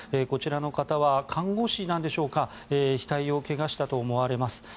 こちらの方は看護師なんでしょうか額を怪我したと思われます。